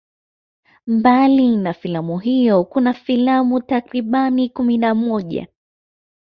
Mbali na filamu hiyo kuna filamu takribani kumi na moja